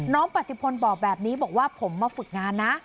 ปฏิพลบอกแบบนี้บอกว่าผมมาฝึกงานนะ